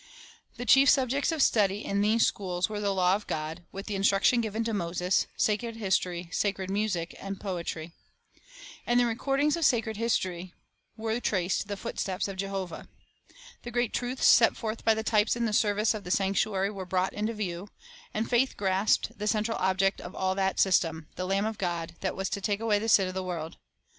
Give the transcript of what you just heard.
The chief subjects of study in these schools were the law of God, with the instruction given to Moses, sacred history, sacred music, and poetry. In the records of sacred his tory were traced the footsteps of Jehovah. The great truths set forth by the types in the service of the sanc tuary were brought to view, and faith grasped the central object of all that system, — the Lamb of God, that was to take away the sin of the world.